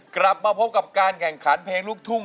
กลับมาพบกับการแข่งขันเพลงลูกทุ่ง